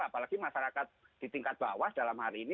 apalagi masyarakat di tingkat bawah dalam hari ini